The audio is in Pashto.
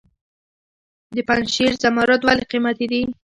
د پنجشیر زمرد ولې قیمتي دي؟